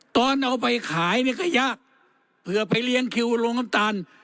ตอนเอาไปขายเนี่ยก็ยากเผื่อไปเรียนคิวโรงน้ำตาล